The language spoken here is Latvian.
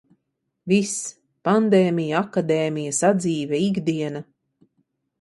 Viss - pandēmija, akadēmija, sadzīve, ikdiena...